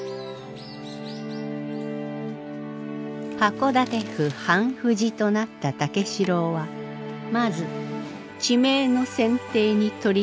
箱館府判府事となった武四郎はまず地名の選定に取りかかった。